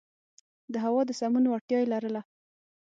د هوا د سمون وړتیا یې لرله.